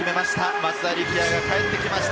松田力也が帰ってきました。